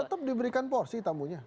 tetep diberikan porsi tamunya